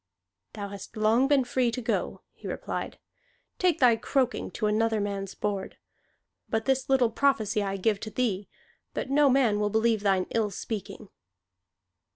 "Thou hast long been free to go," he replied. "Take thy croaking to another man's board! But this little prophecy I give to thee, that no man will believe thine ill speaking."